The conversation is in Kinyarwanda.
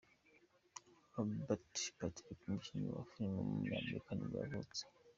Robert Patrick, umukinnyi wa filime w’umunyamerika nibwo yavutse.